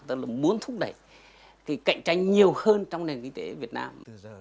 tức là muốn thúc đẩy thì cạnh tranh nhiều hơn trong nền kinh tế việt nam